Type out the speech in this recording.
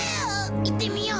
行ってみよう！